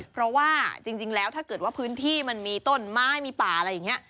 เพราะว่าจริงแล้วถ้าเกิดว่าพื้นที่มันมีต้นไม้มีป่าอะไรอย่างนี้